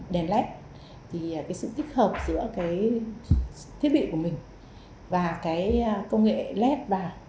đèn led sự tích hợp giữa thiết bị của mình và công nghệ led vào